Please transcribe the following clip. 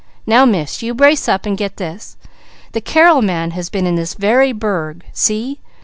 Now Miss, you brace up, and get this: the Carrel man has been in this very burg. See!